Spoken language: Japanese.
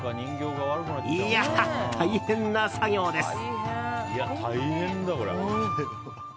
いやー、大変な作業です。